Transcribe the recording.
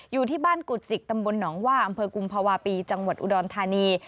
อยู่ที่บ้านกุจิกตำบลหนองว่าอำเภอกุมภาวะปีจังหวัดอุดรธานี